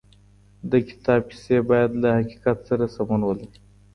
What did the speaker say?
د کتاب کيسې بايد له حقيقت سره سمون ولري.